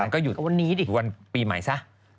ก็อยู่วันปีใหม่ซะ